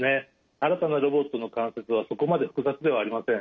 新たなロボットの関節はそこまで複雑ではありません。